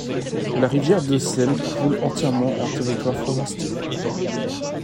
La rivière Decelles coule entièrement en territoire forestier.